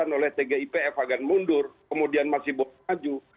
jelas direkomendasikan oleh tgipf agar mundur kemudian masih bawa maju